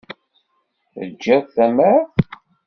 Teǧǧiḍ tamart?